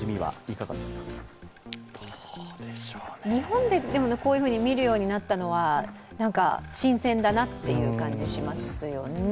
日本で見るようになったのは新鮮だなという感じしますよね。